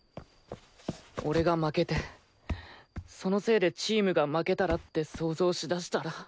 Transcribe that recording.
俺が負けてそのせいでチームが負けたらって想像しだしたら。